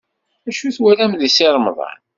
Acu i twalam deg Si Remḍan?